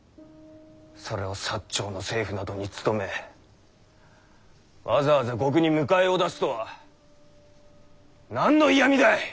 それを長の政府などに勤めわざわざ獄に迎えを出すとは何の嫌みだ！